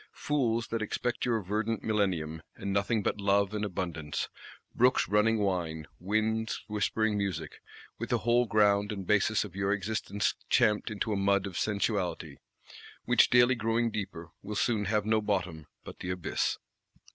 Fools, that expect your verdant Millennium, and nothing but Love and Abundance, brooks running wine, winds whispering music,—with the whole ground and basis of your existence champed into a mud of Sensuality; which, daily growing deeper, will soon have no bottom but the Abyss!